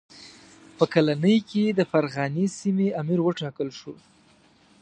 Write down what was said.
په کلنۍ کې د فرغانې سیمې امیر وټاکل شو.